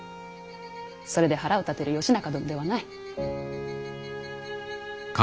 それで腹を立てる義仲殿ではない。